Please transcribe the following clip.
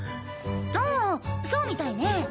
ああそうみたいね。